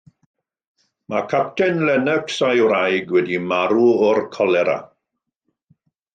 Mae Capten Lennox a'i wraig wedi marw o'r colera.